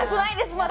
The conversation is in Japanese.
まだ！